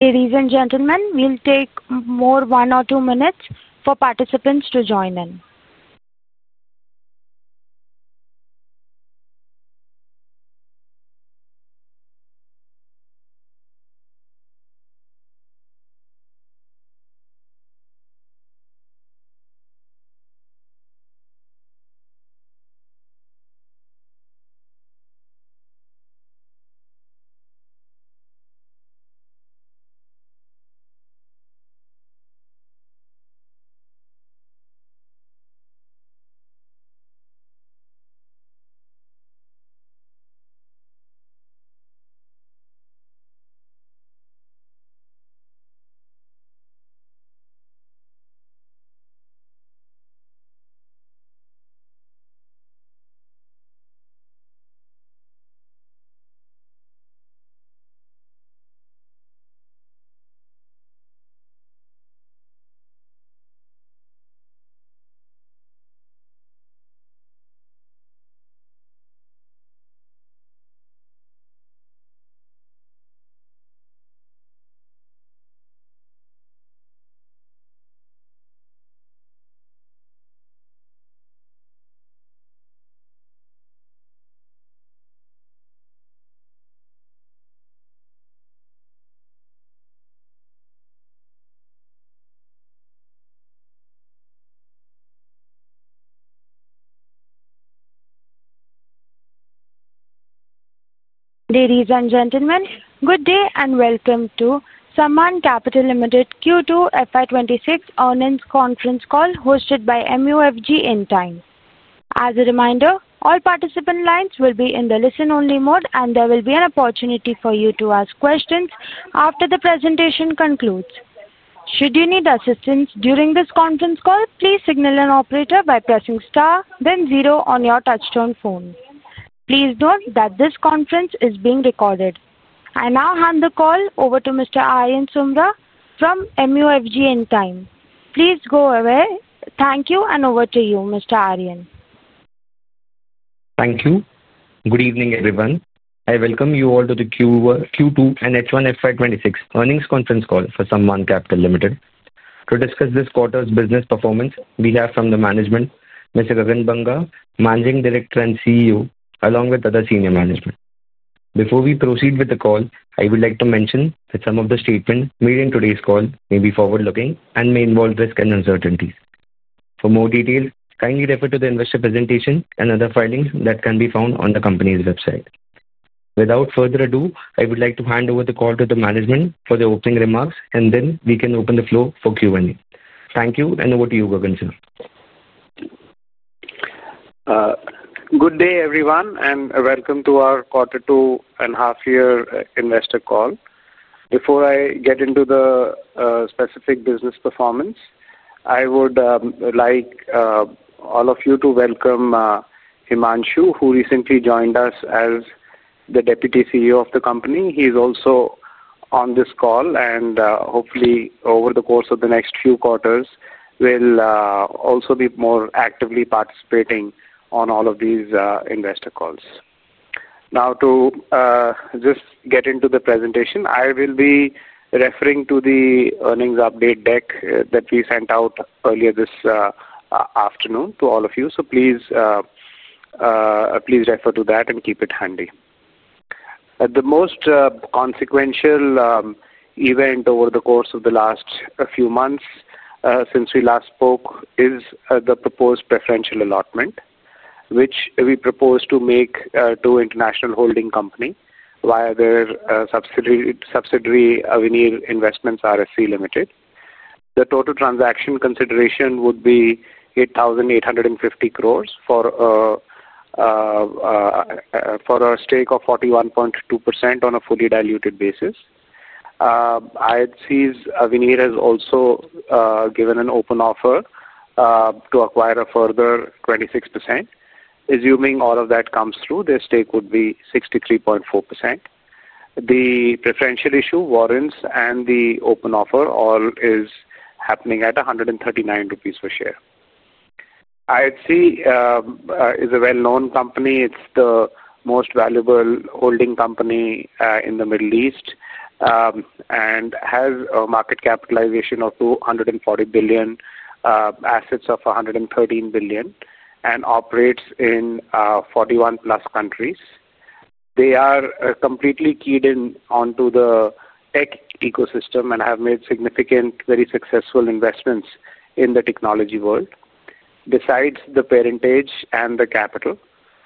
Ladies and gentlemen, we'll take more than one or two minutes for participants to join in. Ladies and gentlemen, good day and welcome to Sammaan Capital Limited Q2 FY26 earnings conference call hosted by MUFG In Time. As a reminder, all participant lines will be in the listen-only mode, and there will be an opportunity for you to ask questions after the presentation concludes. Should you need assistance during this conference call, please signal an operator by pressing star, then zero on your touch-tone phone. Please note that this conference is being recorded. I now hand the call over to Mr. Aryan Sumra from MUFG In Time. Please go ahead. Thank you, and over to you, Mr. Aryan. Thank you. Good evening, everyone. I welcome you all to the Q2 and H1 FY 2026 earnings conference call for Sammaan Capital Limited. To discuss this quarter's business performance, we have from the management, Mr. Gagan Banga, Managing Director and CEO, along with other senior management. Before we proceed with the call, I would like to mention that some of the statements made in today's call may be forward-looking and may involve risk and uncertainties. For more details, kindly refer to the investor presentation and other filings that can be found on the company's website. Without further ado, I would like to hand over the call to the management for the opening remarks, and then we can open the floor for Q&A. Thank you, and over to you, Gagan Sir. Good day, everyone, and welcome to our quarter two and a half year investor call. Before I get into the specific business performance, I would like all of you to welcome Himanshu, who recently joined us as the Deputy CEO of the company. He's also on this call, and hopefully, over the course of the next few quarters, will also be more actively participating on all of these investor calls. Now, to just get into the presentation, I will be referring to the earnings update deck that we sent out earlier this afternoon to all of you. Please refer to that and keep it handy. The most consequential event over the course of the last few months since we last spoke is the proposed preferential allotment, which we propose to make to International Holding Company via their subsidiary Avenir Investments RSC Ltd. The total transaction consideration would be 8,850 crore for a stake of 41.2% on a fully diluted basis. IHC, via Avenir, has also given an open offer to acquire a further 26%. Assuming all of that comes through, their stake would be 63.4%. The preferential issue, warrants, and the open offer all are happening at 139 rupees per share. IHC is a well-known company. It's the most valuable holding company in the Middle East and has a market capitalization of $240 billion, assets of $113 billion, and operates in 41 plus countries. They are completely keyed in onto the tech ecosystem and have made significant, very successful investments in the technology world. Besides the percentage and the capital,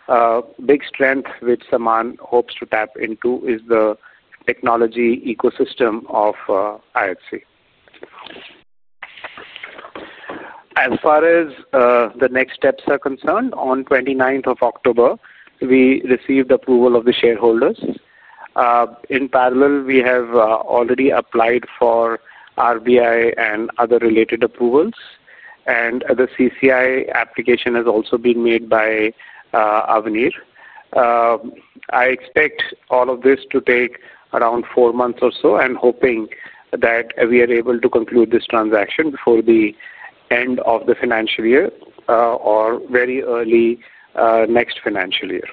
a big strength which Sammaan hopes to tap into is the technology ecosystem of IHC. As far as the next steps are concerned, on the 29th of October, we received approval of the shareholders. In parallel, we have already applied for RBI and other related approvals, and the CCI application has also been made by Avenir. I expect all of this to take around 4 months or so, and hoping that we are able to conclude this transaction before the end of the financial year or very early next financial year.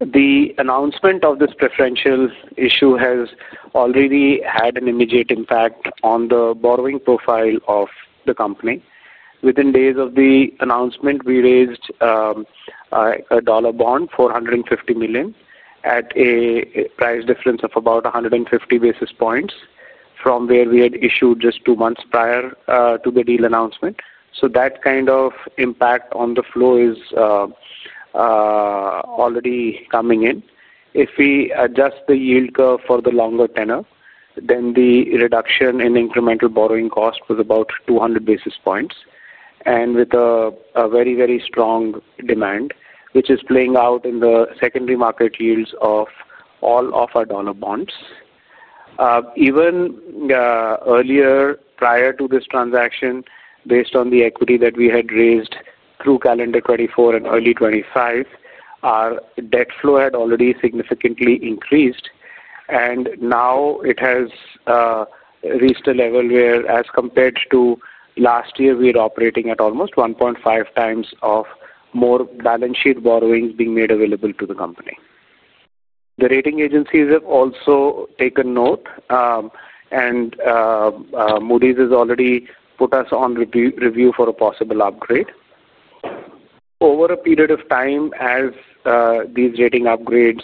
The announcement of this preferential issue has already had an immediate impact on the borrowing profile of the company. Within days of the announcement, we raised a dollar bond, $450 million, at a price difference of about 150 basis points from where we had issued just 2 months prior to the deal announcement. That kind of impact on the flow is already coming in. If we adjust the yield curve for the longer tenor, then the reduction in incremental borrowing cost was about 200 basis points. With a very, very strong demand, which is playing out in the secondary market yields of all of our dollar bonds, even earlier, prior to this transaction, based on the equity that we had raised through calendar 2024 and early 2025, our debt flow had already significantly increased, and now it has reached a level where, as compared to last year, we are operating at almost 1.5x more balance sheet borrowings being made available to the company. The rating agencies have also taken note. Moody's has already put us on review for a possible upgrade. Over a period of time, as these rating upgrades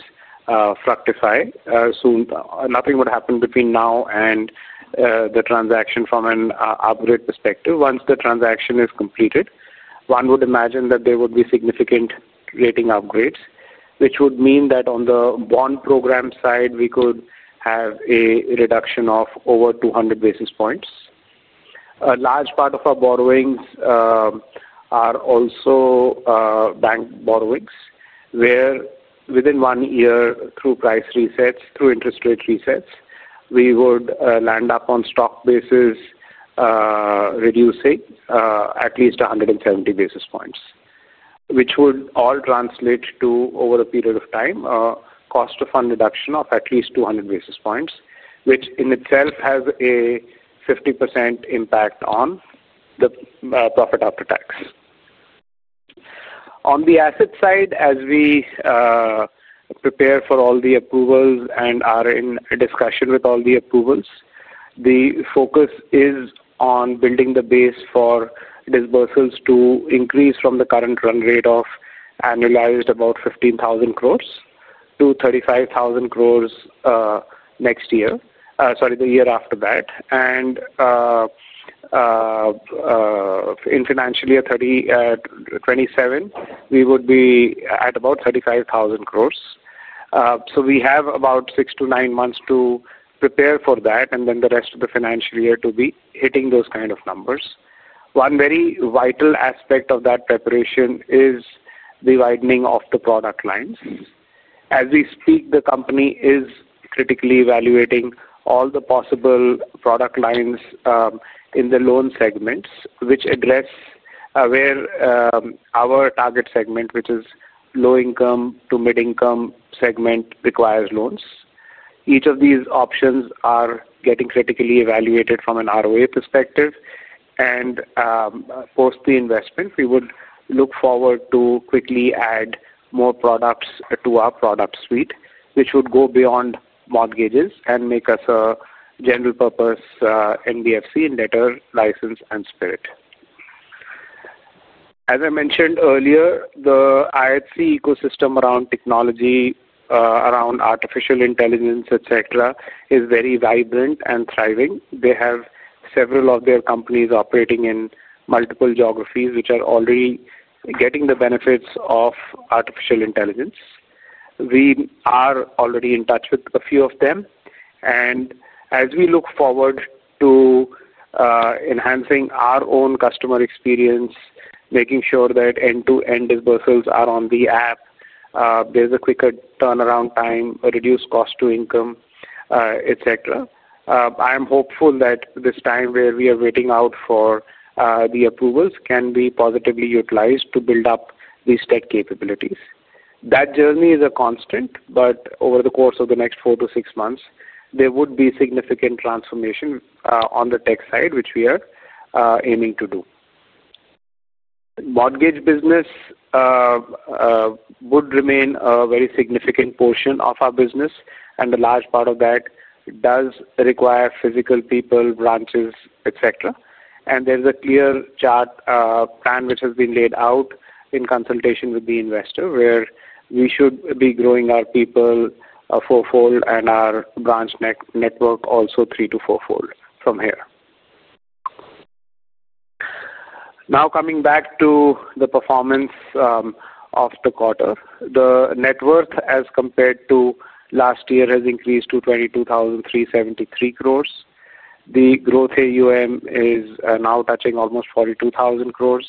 fructify, nothing would happen between now and the transaction from an upgrade perspective. Once the transaction is completed, one would imagine that there would be significant rating upgrades, which would mean that on the bond program side, we could have a reduction of over 200 basis points. A large part of our borrowings are also bank borrowings, where within one year, through price resets, through interest rate resets, we would land up on stock basis reducing at least 170 basis points, which would all translate to, over a period of time, a cost of fund reduction of at least 200 basis points, which in itself has a 50% impact on the profit after tax. On the asset side, as we prepare for all the approvals and are in discussion with all the approvals, the focus is on building the base for disbursals to increase from the current run rate of annualized about 15,000 crore to 35,000 crore. Next year, sorry, the year after that, and in financial year 2027, we would be at about 35,000 crore. We have about 6-9 months to prepare for that and then the rest of the financial year to be hitting those kind of numbers. One very vital aspect of that preparation is the widening of the product lines. As we speak, the company is critically evaluating all the possible product lines in the loan segments, which address where our target segment, which is low-income to mid-income segment, requires loans. Each of these options are getting critically evaluated from an ROA perspective. For the investment, we would look forward to quickly adding more products to our product suite, which would go beyond mortgages and make us a general-purpose NBFC in letter, license, and spirit. As I mentioned earlier, the IHC ecosystem around technology, around artificial intelligence, etc., is very vibrant and thriving. They have several of their companies operating in multiple geographies, which are already getting the benefits of artificial intelligence. We are already in touch with a few of them. As we look forward to enhancing our own customer experience, making sure that end-to-end disbursals are on the app, there's a quicker turnaround time, a reduced cost to income, etc., I am hopeful that this time where we are waiting out for the approvals can be positively utilized to build up these tech capabilities. That journey is a constant, but over the course of the next 4-6 months, there would be significant transformation on the tech side, which we are aiming to do. Mortgage business would remain a very significant portion of our business, and a large part of that does require physical people, branches, etc. There's a clear chart plan which has been laid out in consultation with the investor, where we should be growing our people fourfold and our branch network also three to fourfold from here. Now, coming back to the performance of the quarter, the net worth, as compared to last year, has increased to 22,373 crore. The growth AUM is now touching almost 42,000 crore.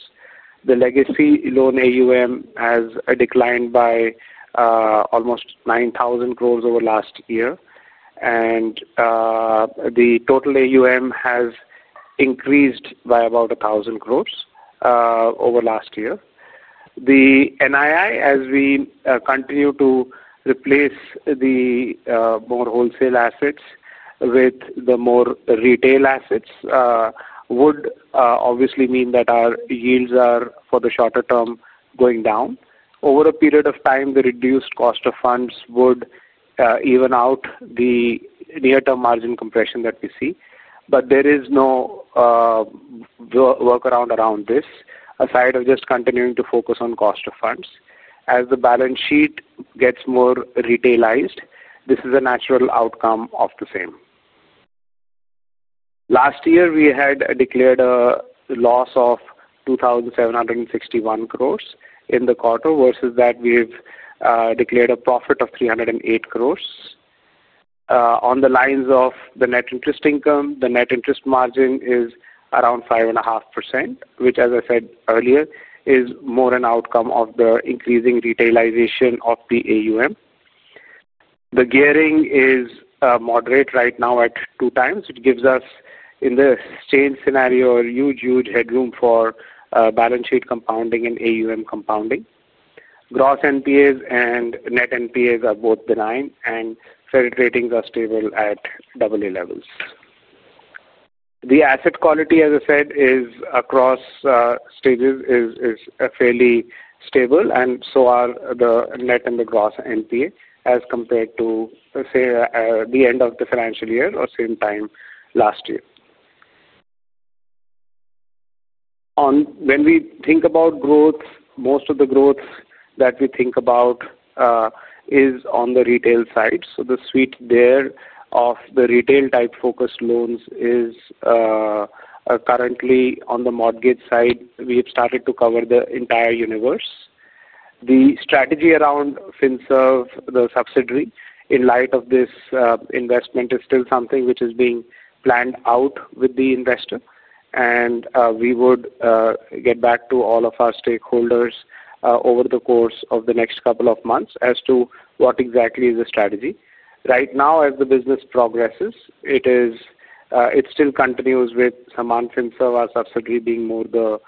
The legacy loan AUM has declined by almost 9,000 crore over last year, and the total AUM has increased by about 1,000 crore over last year. The NII, as we continue to replace the more wholesale assets with the more retail assets, would obviously mean that our yields are for the shorter term going down. Over a period of time, the reduced cost of funds would even out the near-term margin compression that we see. There is no workaround around this, aside from just continuing to focus on cost of funds. As the balance sheet gets more retailized, this is a natural outcome of the same. Last year, we had declared a loss of 2,761 crore in the quarter; versus that, we have declared a profit of 308 crore. On the lines of the net interest income, the net interest margin is around 5.5%, which, as I said earlier, is more an outcome of the increasing retailization of the AUM. The gearing is moderate right now at 2x, which gives us, in the exchange scenario, a huge, huge headroom for balance sheet compounding and AUM compounding. Gross NPAs and net NPAs are both benign, and credit ratings are stable at AA levels. The asset quality, as I said, across stages, is fairly stable, and so are the net and the gross NPA as compared to the end of the financial year or same time last year. When we think about growth, most of the growth that we think about is on the retail side. The suite there of the retail-type focused loans is currently on the mortgage side. We have started to cover the entire universe. The strategy around Finserve, the subsidiary, in light of this investment, is still something which is being planned out with the investor. We would get back to all of our stakeholders over the course of the next couple of months as to what exactly is the strategy. Right now, as the business progresses, it still continues with Sammaan Finserve, our subsidiary, being more the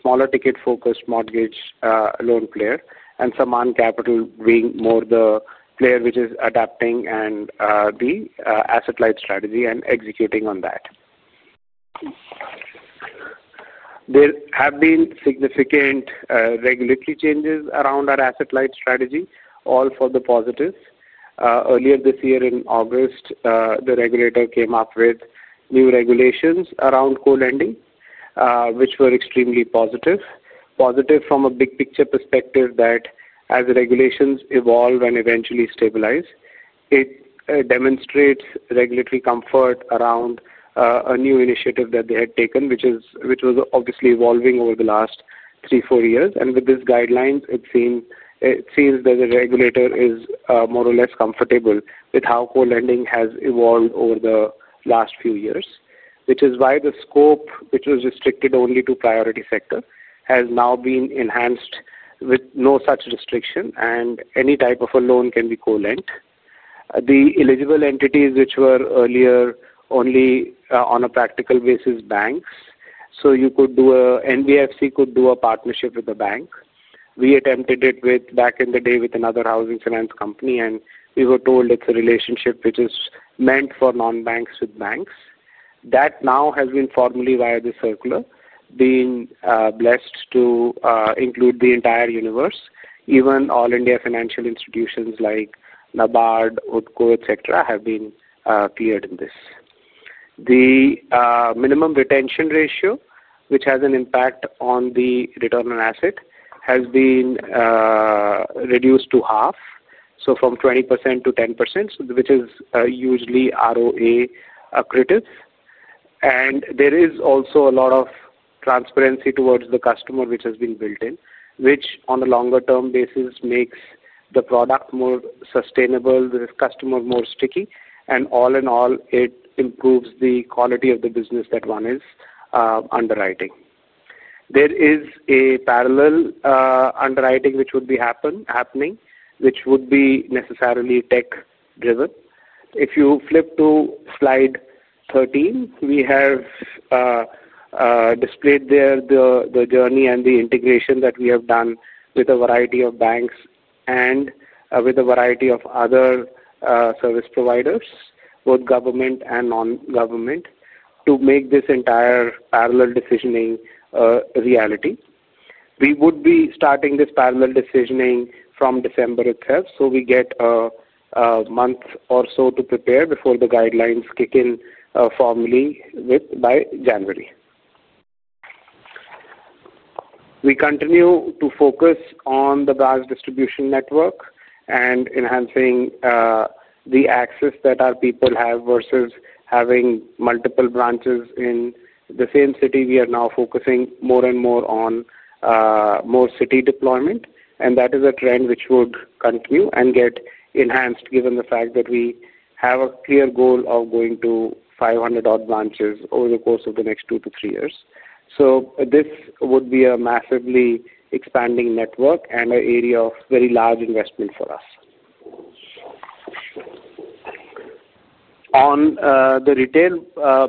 smaller-ticket-focused mortgage loan player, and Sammaan Capital being more the player which is adapting the asset-light strategy and executing on that. There have been significant regulatory changes around our asset-light strategy, all for the positive. Earlier this year, in August, the regulator came up with new regulations around co-lending, which were extremely positive. Positive from a big-picture perspective that, as regulations evolve and eventually stabilize, it demonstrates regulatory comfort around a new initiative that they had taken, which was obviously evolving over the last 3, 4 years. With these guidelines, it seems that the regulator is more or less comfortable with how co-lending has evolved over the last few years, which is why the scope, which was restricted only to priority sector, has now been enhanced with no such restriction, and any type of a loan can be co-lent. The eligible entities, which were earlier only on a practical basis, banks. You could do a NBFC could do a partnership with a bank. We attempted it back in the day with another housing finance company, and we were told it's a relationship which is meant for non-banks with banks. That now has been formally via the circular, being blessed to include the entire universe. Even all India financial institutions like NABARD, UCO, etc., have been cleared in this. The minimum retention ratio, which has an impact on the return on assets, has been reduced to half, so from 20% to 10%, which is hugely ROA-accredited. There is also a lot of transparency towards the customer which has been built-in, which, on a longer-term basis, makes the product more sustainable, the customer more sticky, and all-in-all, it improves the quality of the business that one is underwriting. There is a parallel underwriting which would be happening, which would be necessarily tech-driven. If you flip to slide 13, we have displayed there the journey and the integration that we have done with a variety of banks and with a variety of other service providers, both government and non-government, to make this entire parallel decisioning a reality. We would be starting this parallel decisioning from December itself, so we get a month or so to prepare before the guidelines kick in formally by January. We continue to focus on the branch distribution network and enhancing the access that our people have versus having multiple branches in the same city. We are now focusing more and more on more city deployment, and that is a trend which would continue and get enhanced given the fact that we have a clear goal of going to 500-odd branches over the course of the next 2-3 years. This would be a massively expanding network and an area of very large investment for us. On the retail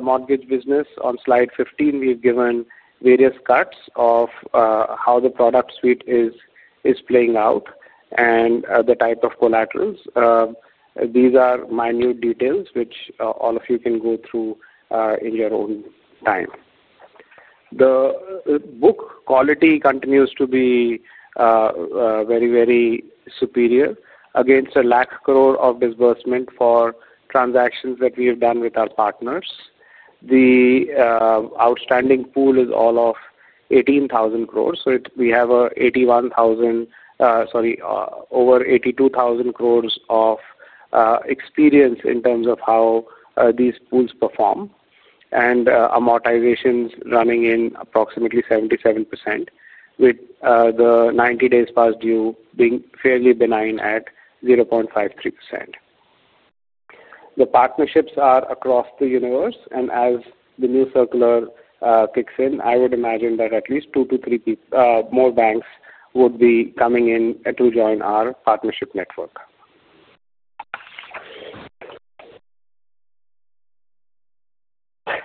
mortgage business, on slide 15, we have given various cuts of how the product suite is playing out and the type of collaterals. These are minute details which all of you can go through in your own time. The book quality continues to be very, very superior. Against a lakh crore of disbursement for transactions that we have done with our partners, the outstanding pool is all of 18,000 crores. We have over 82,000 crores of experience in terms of how these pools perform and amortizations running in approximately 77%, with the 90 days past due being fairly benign at 0.53%. The partnerships are across the universe, and as the new circular kicks in, I would imagine that at least two to three more banks would be coming in to join our partnership network.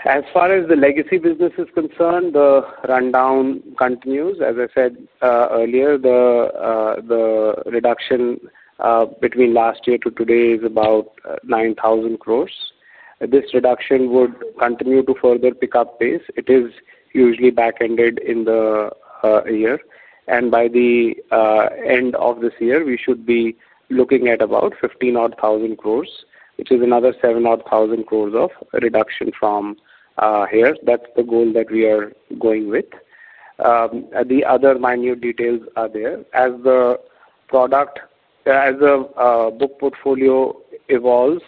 As far as the legacy business is concerned, the rundown continues. As I said earlier, the reduction between last year to today is about 9,000 crores. This reduction would continue to further pick up pace. It is usually back-ended in the year, and by the end of this year, we should be looking at about 15,000 crores, which is another 7,000 crores of reduction from here. That's the goal that we are going with. The other minute details are there. As the book portfolio evolves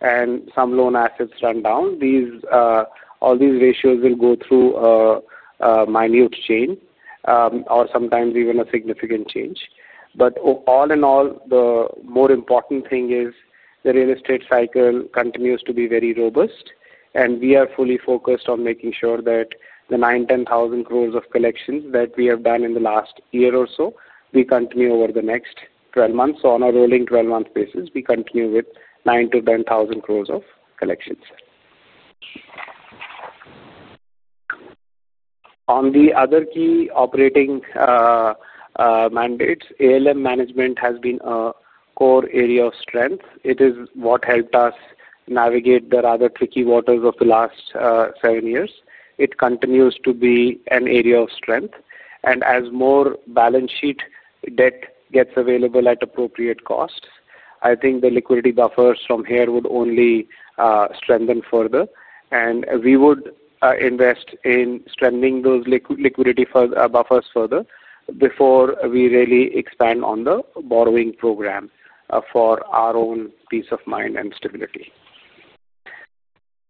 and some loan assets run down, all these ratios will go through a minute change or sometimes even a significant change. All in all, the more important thing is the real estate cycle continues to be very robust, and we are fully focused on making sure that the 9,000-10,000 crores of collections that we have done in the last year or so continue over the next 12 months. On a rolling 12-month basis, we continue with 9,000-10,000 crores of collections. On the other key operating mandates, ALM management has been a core area of strength. It is what helped us navigate the rather tricky waters of the last seven years. It continues to be an area of strength. As more balance sheet debt gets available at appropriate costs, I think the liquidity buffers from here would only strengthen further. We would invest in strengthening those liquidity buffers further before we really expand on the borrowing program for our own peace of mind and stability.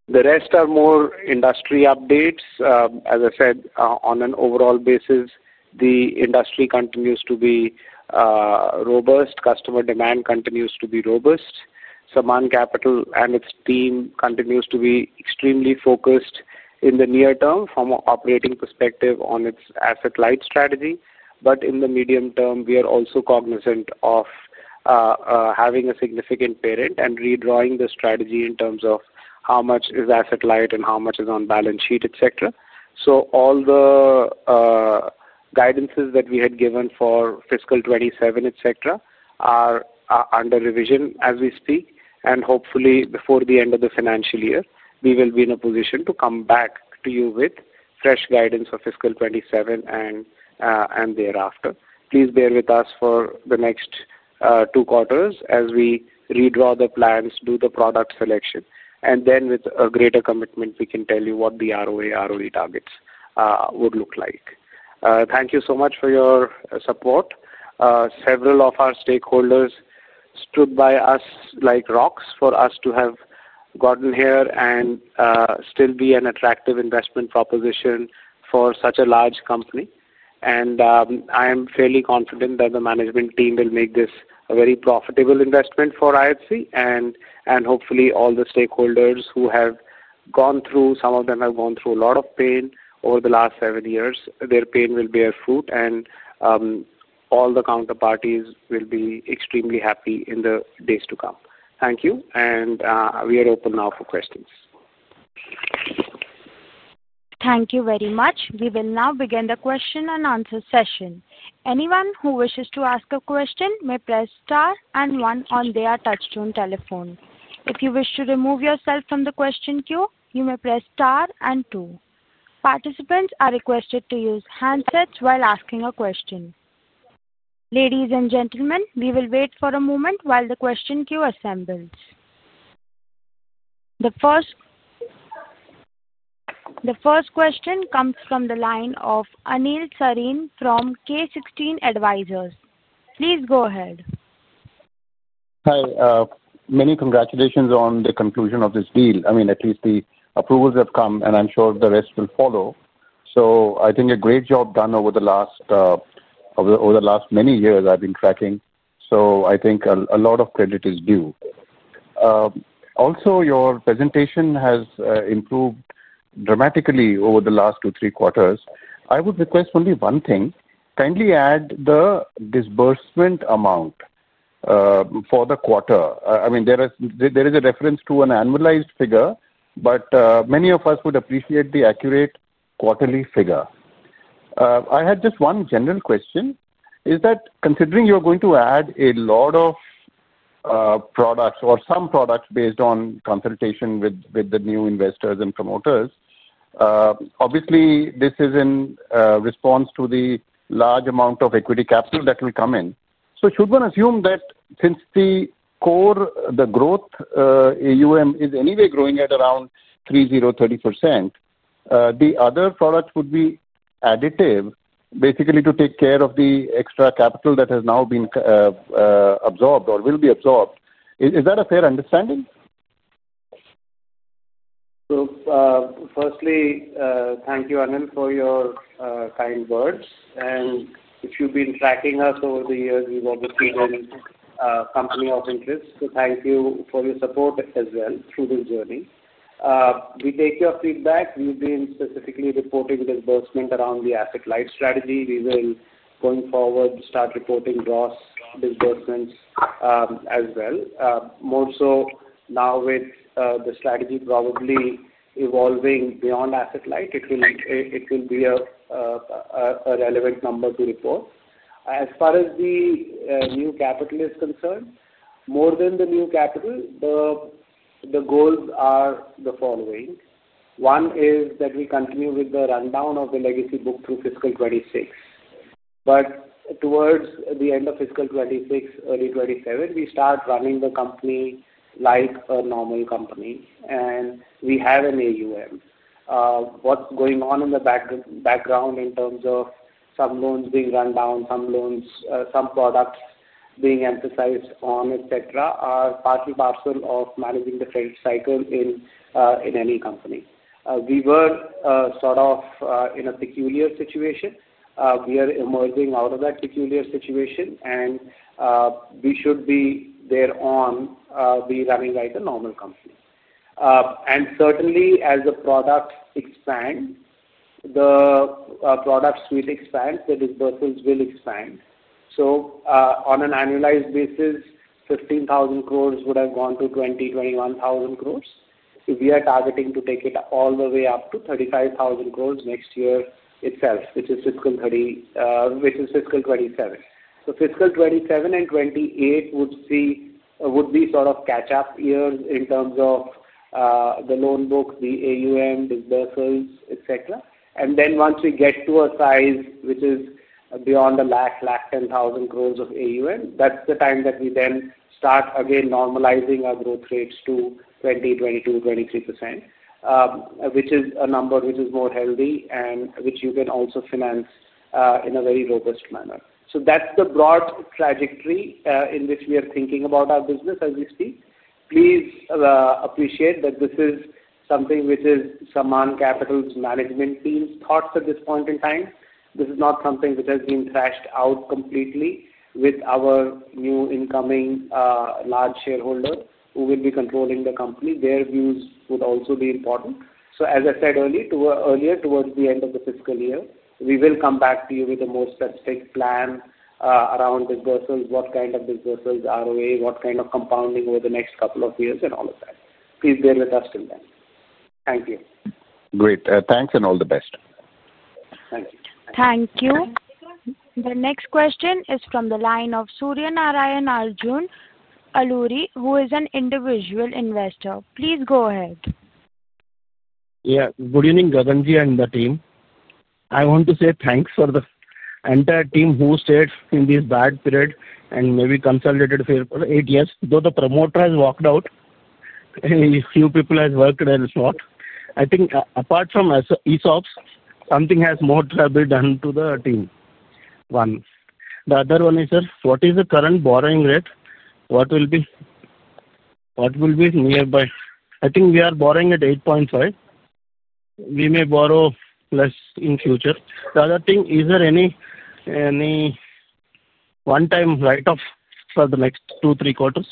The rest are more industry updates. As I said, on an overall basis, the industry continues to be robust. Customer demand continues to be robust. Sammaan Capital and its team continues to be extremely focused in the near term from an operating perspective on its asset-light strategy. In the medium term, we are also cognizant of having a significant parent and redrawing the strategy in terms of how much is asset-light and how much is on balance sheet, etc. All the guidances that we had given for fiscal 2027, etc., are under revision as we speak. Hopefully, before the end of the financial year, we will be in a position to come back to you with fresh guidance for fiscal 2027 and thereafter. Please bear with us for the next two quarters as we redraw the plans, do the product selection, and then, with a greater commitment, we can tell you what the ROA/ROE targets would look like. Thank you so much for your support. Several of our stakeholders stood by us like rocks for us to have gotten here and still be an attractive investment proposition for such a large company. I am fairly confident that the management team will make this a very profitable investment for IHC. Hopefully, all the stakeholders who have gone through—some of them have gone through a lot of pain over the last 7 years—their pain will bear fruit, and all the counterparties will be extremely happy in the days to come. Thank you. We are open now for questions. Thank you very much. We will now begin the question-and-answer session. Anyone who wishes to ask a question may press star and one on their touch-tone telephone. If you wish to remove yourself from the question queue, you may press star and two. Participants are requested to use handsets while asking a question. Ladies and gentlemen, we will wait for a moment while the question queue assembles. The first question comes from the line of Anil Sareen from K16 Advisors. Please go ahead. Hi. Many congratulations on the conclusion of this deal. At least the approvals have come, and I'm sure the rest will follow. I think a great job done over the last many years I've been tracking. I think a lot of credit is due. Also, your presentation has improved dramatically over the last two, three quarters. I would request only one thing: kindly add the disbursement amount for the quarter. There is a reference to an annualized figure, but many of us would appreciate the accurate quarterly figure. I had just one general question. Considering you're going to add a lot of products or some products based on consultation with the new investors and promoters, this is in response to the large amount of equity capital that will come in. Should one assume that since the growth AUM is anyway growing at around three zero, 30%, the other products would be additive, basically to take care of the extra capital that has now been absorbed or will be absorbed? Is that a fair understanding? Firstly, thank you, Anil, for your kind words. If you've been tracking us over the years, you've obviously been a company of interest. Thank you for your support as well through this journey. We take your feedback. We've been specifically reporting disbursement around the asset-light strategy. We will, going forward, start reporting gross disbursements as well. More so now with the strategy probably evolving beyond asset-light, it will be a relevant number to report. As far as the new capital is concerned, more than the new capital, the goals are the following. One is that we continue with the rundown of the legacy book through fiscal 2026. Towards the end of fiscal 2026, early 2027, we start running the company like a normal company, and we have an AUM. What's going on in the background in terms of some loans being rundown, some products being emphasized on, etc., are partly parcel of managing the credit cycle in any company. We were sort of in a peculiar situation. We are emerging out of that peculiar situation, and we should be there on, be running like a normal company. Certainly, as the product expands, the product suite expands, the disbursements will expand. On an annualized basis, 15,000 crores would have gone to 20,000-21,000 crores. We are targeting to take it all the way up to 35,000 crores next year itself, which is fiscal 2027. Fiscal 2027 and 2028 would be sort of catch-up years in terms of the loan book, the AUM, disbursements, etc. Once we get to a size which is beyond the last 10,000 crores of AUM, that's the time that we then start again normalizing our growth rates to 20%, 22%, 23%, which is a number which is more healthy and which you can also finance in a very robust manner. That's the broad trajectory in which we are thinking about our business as we speak. Please appreciate that this is something which is Sammaan Capital's management team's thoughts at this point in time. This is not something which has been thrashed out completely with our new incoming large shareholder who will be controlling the company. Their views would also be important. As I said earlier, towards the end of the fiscal year, we will come back to you with a more specific plan around disbursements, what kind of disbursements, ROA, what kind of compounding over the next couple of years, and all of that. Please bear with us till then. Thank you. Great. Thanks and all the best. Thank you. Thank you. The next question is from the line of Suryanarayan Arjun Aluri, who is an individual investor. Please go ahead. Yeah. Good evening, Gagan and the team. I want to say thanks for the entire team who stayed in this bad period and maybe consolidated for eight years. Though the promoter has walked out, a few people have worked and so on. I think apart from ESOPs, something has more to have been done to the team. One. The other one is, sir, what is the current borrowing rate? What will be nearby? I think we are borrowing at 8.5%. We may borrow less in future. The other thing, is there any one-time write-off for the next two, three quarters?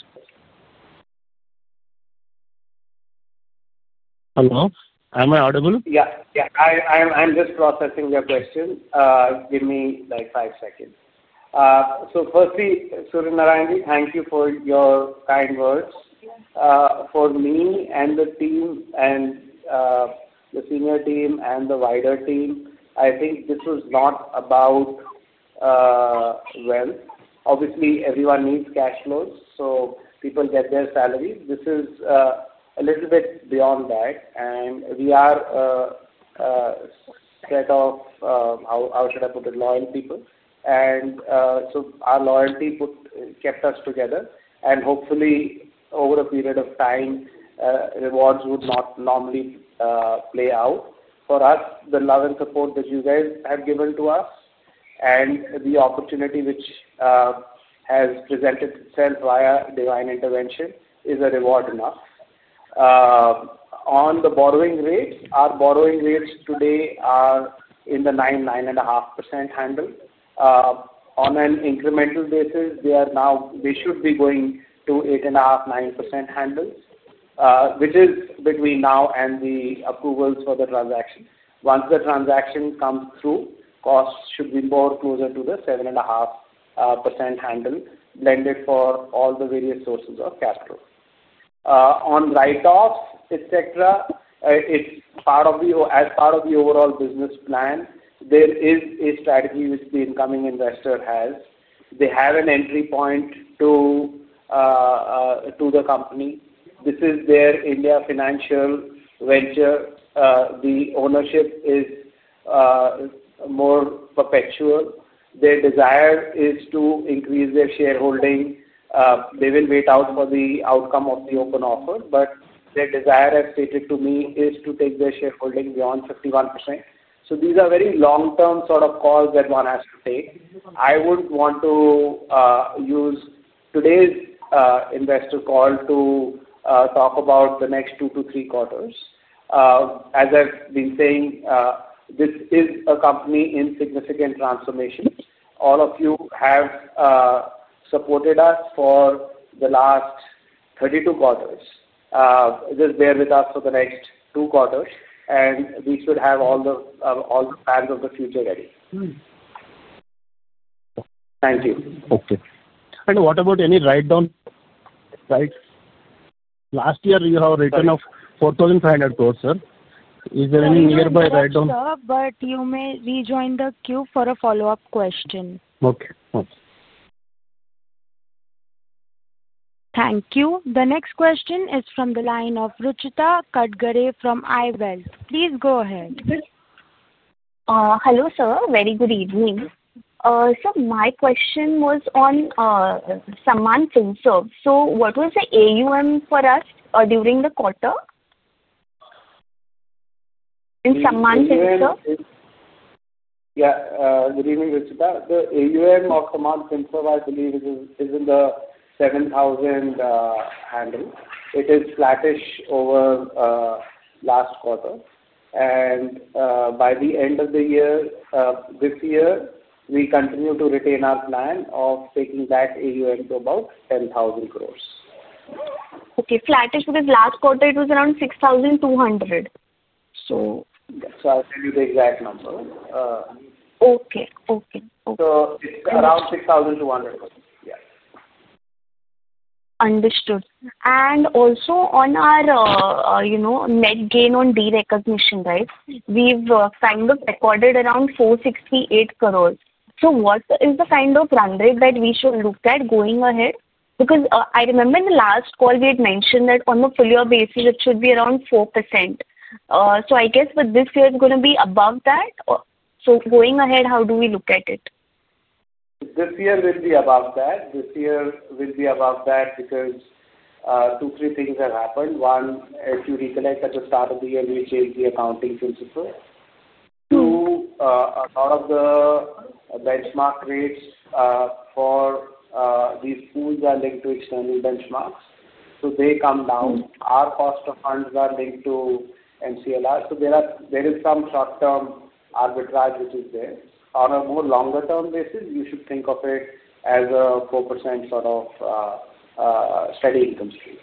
Hello? Am I audible? Yeah. Yeah. I'm just processing your question. Give me 5 seconds. Firstly, Suryanarayan, thank you for your kind words. For me and the team and the senior team and the wider team, I think this was not about wealth. Obviously, everyone needs cash flows, so people get their salary. This is a little bit beyond that. We are a set of, how should I put it, loyal people. Our loyalty kept us together, and hopefully, over a period of time, rewards would not normally play out. For us, the love and support that you guys have given to us and the opportunity which has presented itself via divine intervention is a reward enough. On the borrowing rates, our borrowing rates today are in the 9%, 9.5% handle. On an incremental basis, they should be going to the 8.5%, 9% handles, which is between now and the approvals for the transaction. Once the transaction comes through, costs should be more closer to the 7.5% handle blended for all the various sources of capital. On write-offs, etc., as part of the overall business plan, there is a strategy which the incoming investor has. They have an entry point to the company. This is their India financial venture. The ownership is more perpetual. Their desire is to increase their shareholding. They will wait out for the outcome of the open offer, but their desire, as stated to me, is to take their shareholding beyond 51%. These are very long-term sort of calls that one has to take. I would want to use today's investor call to talk about the next two, two, three quarters. As I've been saying, this is a company in significant transformation. All of you have supported us for the last 32 quarters. Just bear with us for the next two quarters, and we should have all the plans of the future ready. Thank you. Okay. What about any write-down? Last year, you have a return of 4,500 crore, sir. Is there any nearby write-down? No, sir, but you may rejoin the queue for a follow-up question. Okay. Thank you. The next question is from the line of Ruchita Kadgare from IWELT. Please go ahead. Hello, sir. Very good evening. My question was on Sammaan Finserve. What was the AUM for us during the quarter in Sammaan Finserve? Yeah. Good evening, Ruchita.The AUM of Sammaan Finserve, I believe, is in the 7,000 crore handle. It is flattish over last quarter, and by the end of this year, we continue to retain our plan of taking that AUM to about 10,000 crore. Flattish because last quarter, it was around 6,200 crore. I'll send you the exact number. Okay. So it's around 6,200 crore. Yeah. Understood. Also, on our net gain on derecognition, right, we've kind of recorded around 468 crore. What is the kind of run rate that we should look at going ahead? Because I remember in the last call, we had mentioned that on a full-year basis, it should be around 4%. I guess for this year, it's going to be above that. Going ahead, how do we look at it? This year will be above that. This year will be above that because two, three things have happened. One, as you recollect, at the start of the year, we changed the accounting principle. Two, a lot of the benchmark rates for these pools are linked to external benchmarks, so they come down. Our cost of funds are linked to MCLR, so there is some short-term arbitrage which is there. On a more longer-term basis, you should think of it as a 4% sort of steady income stream.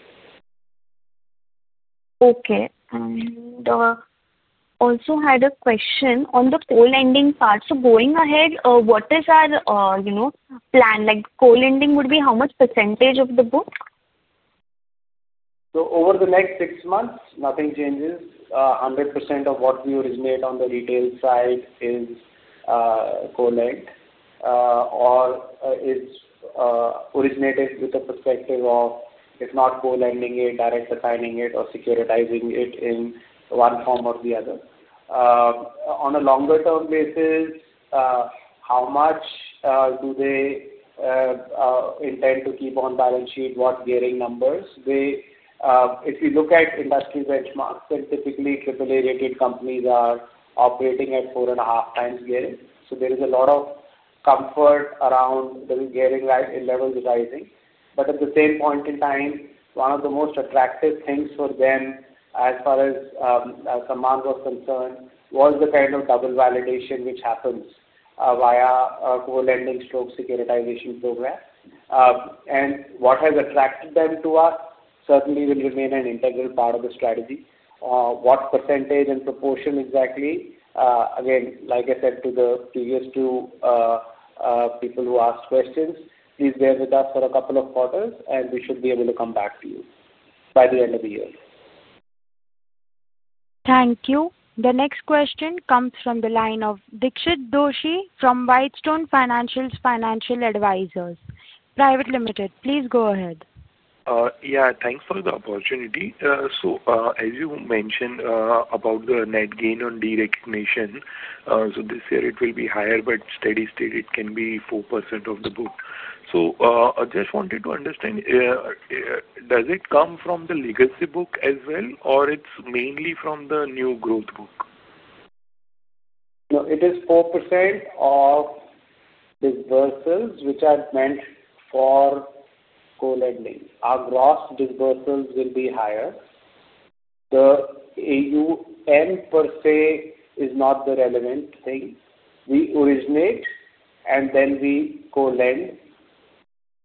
Also had a question on the co-lending part. Going ahead, what is our plan? Co-lending would be how much percentage of the book? Over the next 6 months, nothing changes. 100% of what we originate on the retail side is co-lent or is originated with the perspective of, if not co-lending it, direct assigning it, or securitizing it in one form or the other. On a longer-term basis, how much do they intend to keep on balance sheet? What gearing numbers? If you look at industry benchmarks, then typically, AAA-rated companies are operating at 4.5x gearing. There is a lot of comfort around the gearing levels rising. At the same point in time, one of the most attractive things for them as far as Sammaan was concerned was the kind of double validation which happens via a co-lending stroke securitization program. What has attracted them to us certainly will remain an integral part of the strategy. What percentage and proportion exactly? Again, like I said to the previous two people who asked questions, please bear with us for a couple of quarters, and we should be able to come back to you by the end of the year. Thank you. The next question comes from the line of Dixit Doshi from Whitestone Financial Advisors Private Limited. Please go ahead. Yeah. Thanks for the opportunity. As you mentioned about the net gain on derecognition, this year it will be higher, but steady-state, it can be 4% of the book. I just wanted to understand, does it come from the legacy book as well, or it's mainly from the new growth book? No, it is 4% of disbursements which are meant for co-lending. Our gross disbursements will be higher. The AUM per se is not the relevant thing. We originate, and then we co-lend.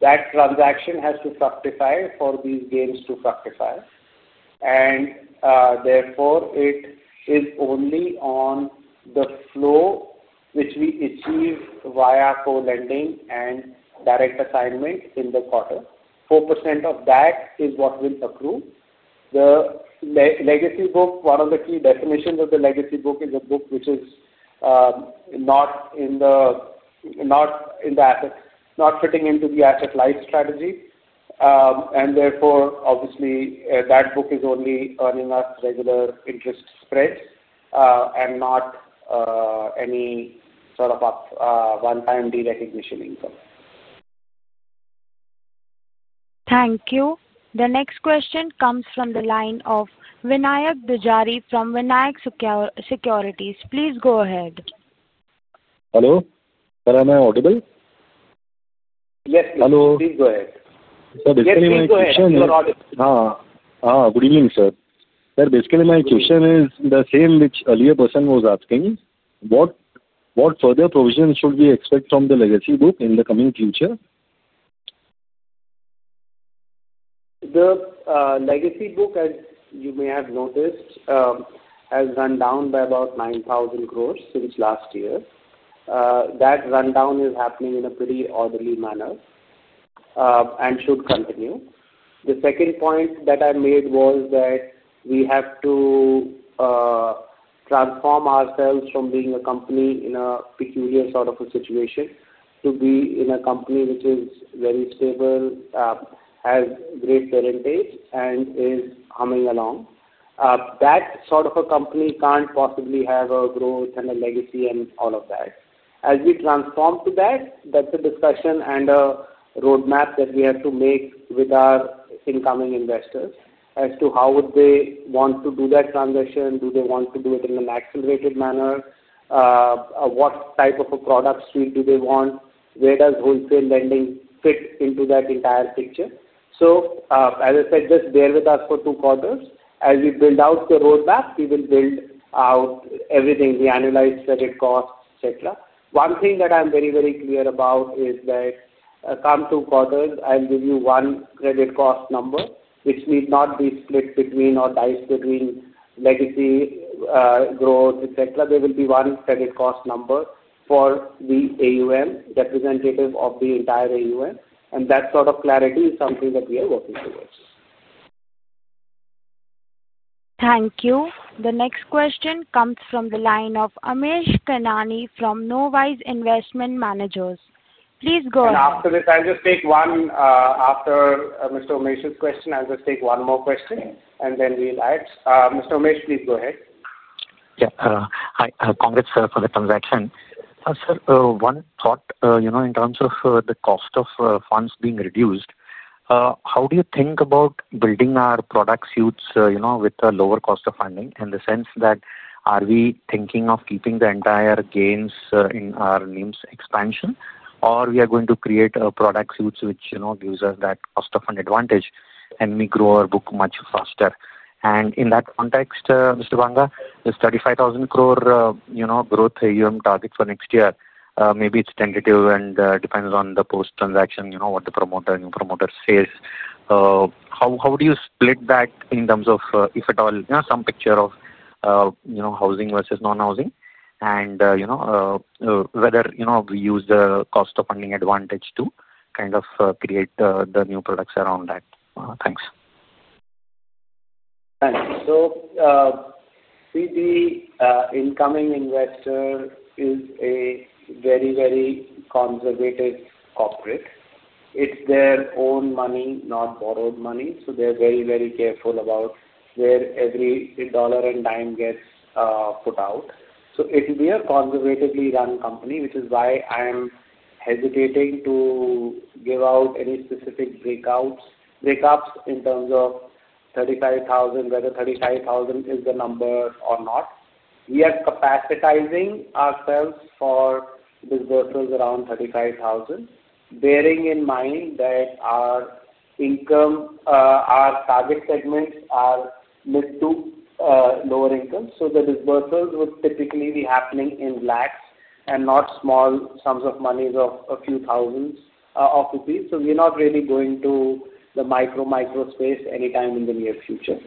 That transaction has to fructify for these gains to fructify. Therefore, it is only on the flow which we achieve via co-lending and direct assignment in the quarter. 4% of that is what will accrue. The legacy book, one of the key definitions of the legacy book is a book which is not in the asset, not fitting into the asset life strategy. Therefore, obviously, that book is only earning us regular interest spreads and not any sort of one-time derecognition income. Thank you. The next question comes from the line of Vinayak Bhujari from Vinayak Securities. Please go ahead. Hello. Am I audible? Yes, please. Please go ahead. Hello. So basically, my question is, good evening, sir. Good evening, sir. Good evening, sir. So basically, my question is the same which earlier person was asking. What further provisions should we expect from the legacy book in the coming future? The legacy book, as you may have noticed, has run down by about 9,000 crore since last year. That rundown is happening in a pretty orderly manner and should continue. The second point that I made was that we have to transform ourselves from being a company in a peculiar sort of a situation to being a company which is very stable, has great percentage, and is humming along. That sort of a company can't possibly have a growth and a legacy and all of that. As we transform to that, that's a discussion and a roadmap that we have to make with our incoming investors as to how would they want to do that transition. Do they want to do it in an accelerated manner? What type of a product suite do they want? Where does wholesale lending fit into that entire picture? As I said, just bear with us for two quarters. As we build out the roadmap, we will build out everything, the annualized credit costs, etc. One thing that I'm very, very clear about is that come two quarters, I'll give you one credit cost number which need not be split between or diced between legacy, growth, etc. There will be one credit cost number for the AUM, representative of the entire AUM. That sort of clarity is something that we are working towards. Thank you. The next question comes from the line of Amish Kanani from Knowise Investment Managers. Please go ahead. After Mr. Amish's question, I'll just take one more question, and then we'll act. Mr. Amish, please go ahead. Yeah. Hi. Congrats for the transaction. Sir, one thought in terms of the cost of funds being reduced. How do you think about building our product suites with a lower cost of funding in the sense that are we thinking of keeping the entire gains in our names expansion, or we are going to create a product suite which gives us that cost of fund advantage and may grow our book much faster? In that context, Mr. Banga, this 35,000 crore growth AUM target for next year, maybe it's tentative and depends on the post-transaction, what the new promoter says. How would you split that in terms of, if at all, some picture of housing versus non-housing? Whether we use the cost of funding advantage to kind of create the new products around that? Thanks. The incoming investor is a very, very conservative corporate. It's their own money, not borrowed money. They're very, very careful about where every dollar and dime gets put out. It's a very conservatively run company, which is why I'm hesitating to give out any specific breakups in terms of 35,000, whether 35,000 is the number or not. We are capacitizing ourselves for disbursements around 35,000 crore, bearing in mind that our income—our target segments are mid to lower income. The disbursements would typically be happening in lakhs and not small sums of money of a few thousands of rupees. We're not really going to the micro, micro space anytime in the near future.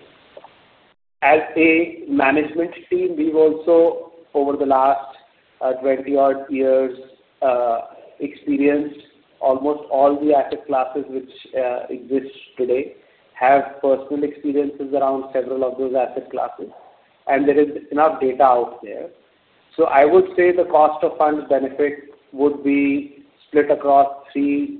As a management team, we've also, over the last 20-odd years, experienced almost all the asset classes which exist today, have personal experiences around several of those asset classes. There is enough data out there. I would say the cost of fund benefit would be split across three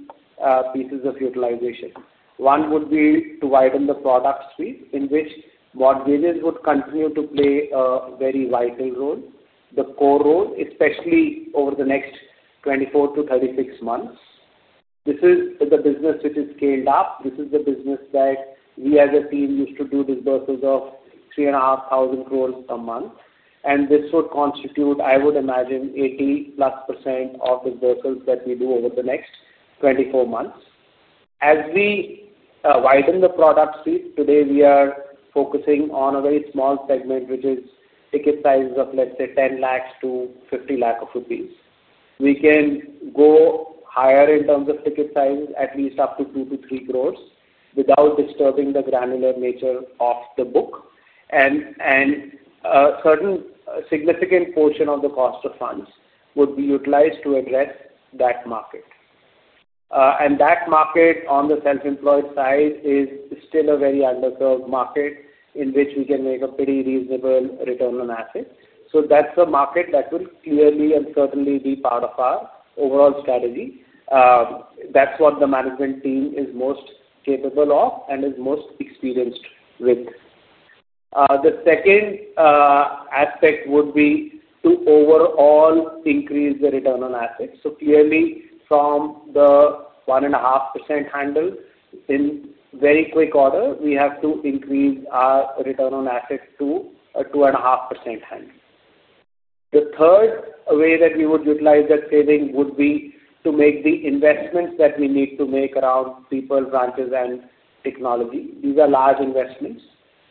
pieces of utilization. One would be to widen the product suite in which mortgages would continue to play a very vital role, the core role, especially over the next 24-36 months. This is the business which is scaled up. This is the business that we, as a team, used to do disbursements of 3,500 crore a month. This would constitute, I would imagine, 80% plus of disbursements that we do over the next 24 months. As we widen the product suite, today, we are focusing on a very small segment which is ticket sizes of, let's say, 10 lakh-50 lakh rupees. We can go higher in terms of ticket sizes, at least up to 2-3 crore, without disturbing the granular nature of the book. A certain significant portion of the cost of funds would be utilized to address that market. That market, on the self-employed side, is still a very under-served market in which we can make a pretty reasonable return on assets. That market will clearly and certainly be part of our overall strategy. That's what the management team is most capable of and is most experienced with. The second aspect would be to overall increase the return on assets. Clearly, from the 1.5% handle, in very quick order, we have to increase our return on assets to a 2.5% handle. The third way that we would utilize that saving would be to make the investments that we need to make around people, branches, and technology. These are large investments,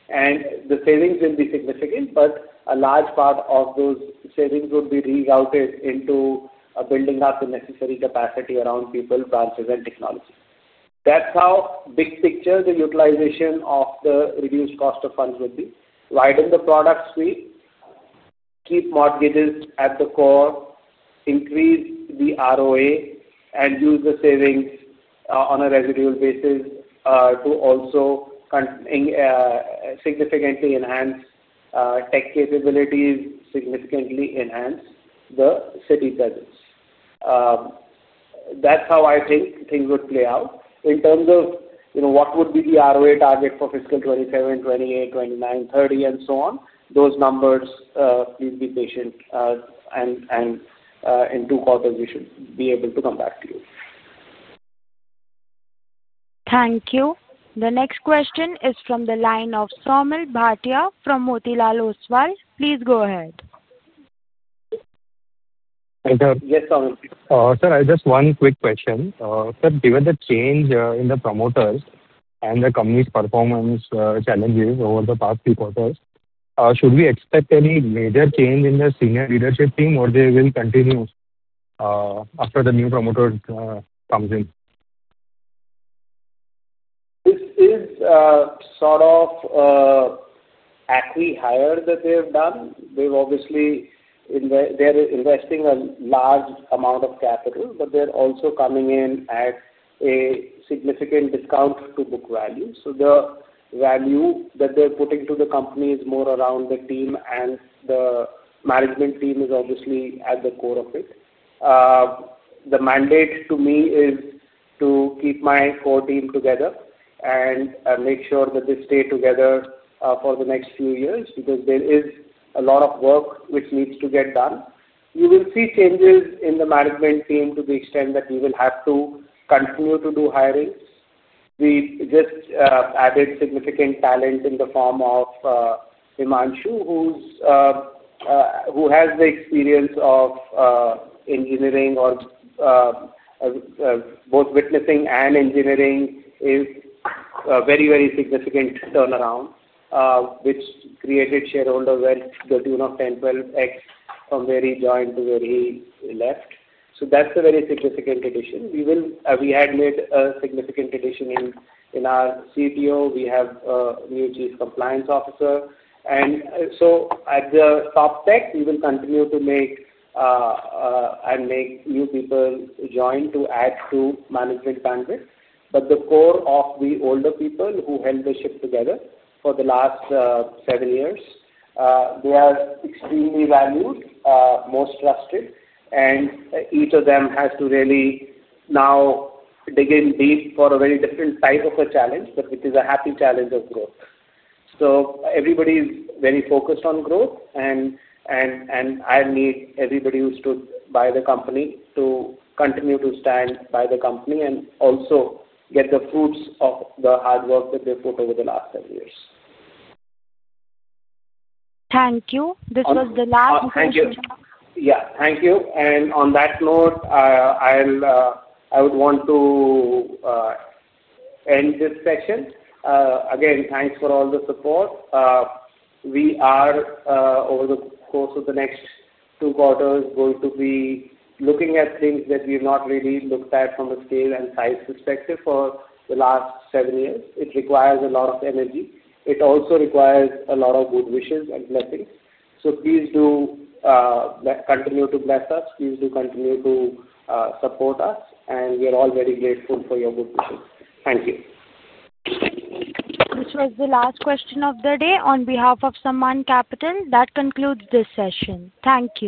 and the savings will be significant, but a large part of those savings would be rerouted into building up the necessary capacity around people, branches, and technology. That's how, big picture, the utilization of the reduced cost of funds would be. Widen the product suite, keep mortgages at the core, increase the ROA, and use the savings on a residual basis to also significantly enhance tech capabilities, significantly enhance the city budgets. That's how I think things would play out. In terms of what would be the ROA target for fiscal 2027, 2028, 2029, 2030, and so on, those numbers, please be patient. In two quarters, we should be able to come back to you. Thank you. The next question is from the line of Saumil Bhatia from Motilal Oswal. Please go ahead. Thank you. Sir, just one quick question. Sir, given the change in the promoters and the company's performance challenges over the past few quarters, should we expect any major change in the senior leadership team, or will they continue after the new promoter comes in? This is sort of an acqui-hire that they've done. They're investing a large amount of capital, but they're also coming in at a significant discount-to-book value. The value that they're putting to the company is more around the team, and the management team is obviously at the core of it. The mandate to me is to keep my core team together and make sure that they stay together for the next few years because there is a lot of work which needs to get done. You will see changes in the management team to the extent that we will have to continue to do hirings. We just added significant talent in the form of Himanshu, who has the experience of engineering or both witnessing and engineering a very, very significant turnaround. Which created shareholder wealth, the tune of 10x, 12x from where he joined to where he left. That's a very significant addition. We had made a significant addition in our CTO. We have a new Chief Compliance Officer. At the top tech, we will continue to make and make new people join to add to management bandwidth. The core of the older people who held the ship together for the last seven years, they are extremely valued, most trusted. Each of them has to really now dig in deep for a very different type of a challenge, which is a happy challenge of growth. Everybody is very focused on growth. I need everybody who stood by the company to continue to stand by the company and also get the fruits of the hard work that they've put over the last 7 years. Thank you. This was the last question. Thank you. On that note, I would want to end this session. Again, thanks for all the support. We are, over the course of the next two quarters, going to be looking at things that we have not really looked at from a scale and size perspective for the last seven years. It requires a lot of energy. It also requires a lot of good wishes and blessings. Please do continue to bless us. Please do continue to support us. We are all very grateful for your good wishes. Thank you. This was the last question of the day on behalf of Sammaan Capital. That concludes this session. Thank you.